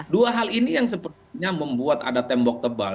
dua hal ini yang sepertinya membuat ada tembok tebal